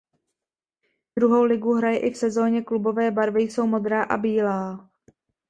Druhou ligu hraje i v sezóně Klubové barvy jsou modrá a bílá.